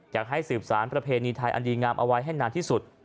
อยากให้สืบสารประเพณีไทยอันดีงามเอาไว้ให้นานที่สุด